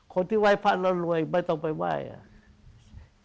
คนที่ไหว้พระแล้วรวยไม่ต้องไปไหว้อ่ะ